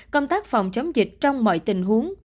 công tác phòng chống dịch trong mọi tình huống